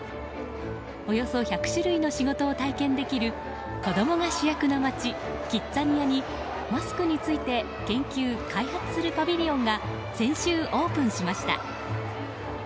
およそ１００種類の仕事を体験できる子供が主役の街、キッザニアにマスクについて研究・開発するパビリオンが先週オープンしました。